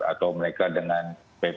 atau mereka dengan ppop